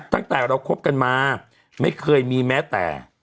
ตั้งแต่เราคบกันมาไม่เคยมีแม้แต่